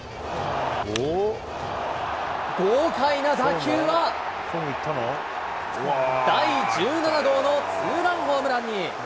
豪快な打球は、第１７号のツーランホームランに。